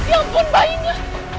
ya ampun bayinya